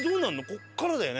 ここからだよね？